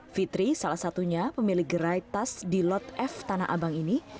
fitri salah satunya pemilik gerai tas di lot f tanah abang ini